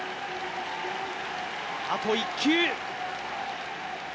あと１球。